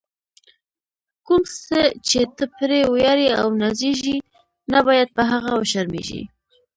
کوم څه چې ته پرې ویاړې او نازېږې، نه باید په هغه وشرمېږې.